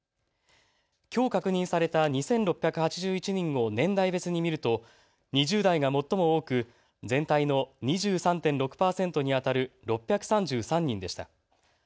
きょう確認された２６８１人を年代別に見ると２０代が最も多く全体の２３．６％にあたる６３３人でした。